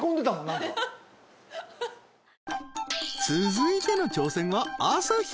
［続いての挑戦は朝日！］